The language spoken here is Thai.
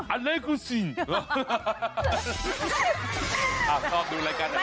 อันดับที่สุด